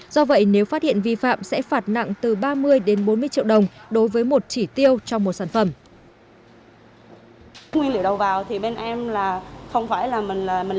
do vậy nếu phát hiện vi phạm sẽ phải đặt sản phẩm